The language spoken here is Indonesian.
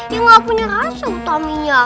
ya nggak punya rasa utaminya